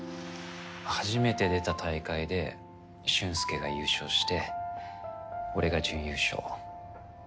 初めて出た大会で俊介が優勝して俺が準優勝。